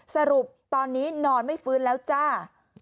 สรุปตอนนี้นอนไม่ฟื้นแล้วจ้า